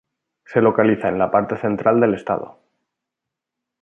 Se localiza en la parte central del estado.